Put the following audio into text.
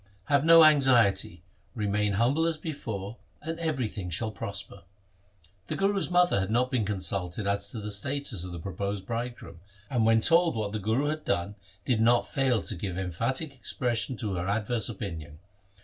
Have no anxiety, remain humble as before, and everything shall prosper.' The Guru's mother had not been consulted as to the status of the proposed bridegroom, and when told what the Guru had done, did not fail to give emphatic expression to her adverse opinion.